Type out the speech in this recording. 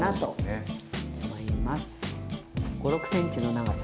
５６ｃｍの長さ。